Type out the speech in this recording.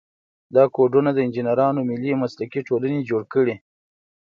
دا کودونه د انجینرانو ملي مسلکي ټولنې جوړ کړي.